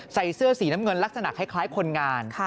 ใส่เสื้อสีน้ำเงินลักษณะคล้ายคนงาน